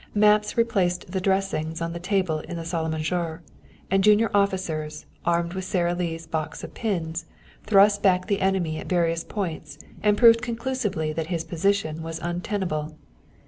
Maps replaced the dressings on the table in the salle à manger, and junior officers, armed with Sara Lee's box of pins, thrust back the enemy at various points and proved conclusively that his position was untenable.